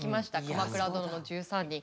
「鎌倉殿の１３人」。